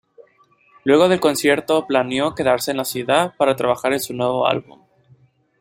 Luego del concierto, planeó quedarse en la ciudad para trabajar en su nuevo álbum.